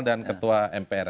dan ketua mpr